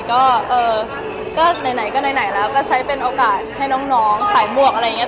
ก็เออก็ไหนก็ไหนแล้วก็ใช้เป็นโอกาสให้น้องขายหมวกอะไรอย่างนี้